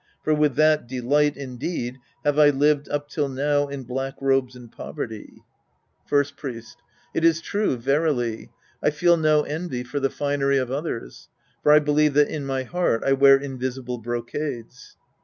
For with that delight, indeed, have I lived up till now in black robes and poverty. Act II The Priest and His Disciples 65 First Priest. It is true, verily. I feel no envy for the finery of others. For I believe that in my heart I wear invisible brocades.